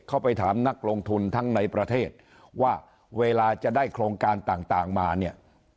ไปถามนักลงทุนทั้งในประเทศว่าเวลาจะได้โครงการต่างมาเนี่ย